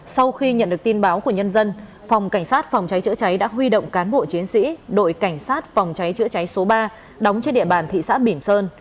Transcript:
sau khi nhận được tin báo của nhân dân phòng cảnh sát phòng cháy chữa cháy đã huy động cán bộ chiến sĩ đội cảnh sát phòng cháy chữa cháy số ba đóng trên địa bàn thị xã bỉm sơn